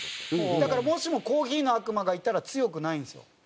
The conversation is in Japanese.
だからもしもコーヒーの悪魔がいたら強くないんですよ。